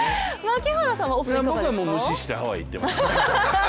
僕は無視してハワイ行ってましたね。